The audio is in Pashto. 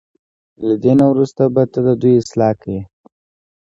له دې نه وروسته به ته د دوی اصلاح کړې.